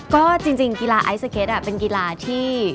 ก็จริงกีฬาไอสเก็ตเป็นกีฬาที่